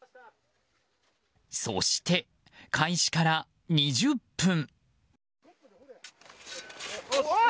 そして、開始から２０分。